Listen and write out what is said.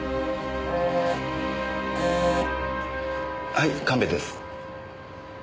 はい神戸です。